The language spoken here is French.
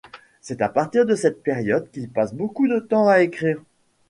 C'est à partir de cette période qu'il passe beaucoup de temps à écrire.